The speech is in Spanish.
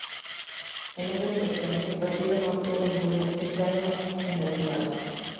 En esas elecciones el partido no obtuvo ningún escaño en el Senado.